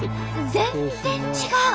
全然違う！